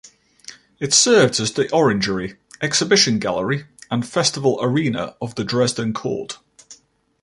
It served as the orangery, exhibition gallery and festival arena of the Dresden Court.